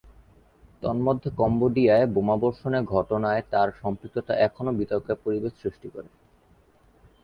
তন্মধ্যে কম্বোডিয়ায় বোমাবর্ষণের ঘটনায় তার সম্পৃক্ততা এখনো বিতর্কের পরিবেশ সৃষ্টি করে।